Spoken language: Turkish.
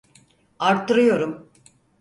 Arttırıyorum.